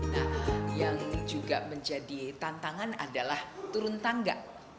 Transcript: nah yang juga menjadi tantangan adalah turun tangga